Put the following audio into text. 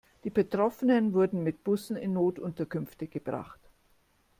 Die Betroffenen wurden mit Bussen in Notunterkünfte gebracht.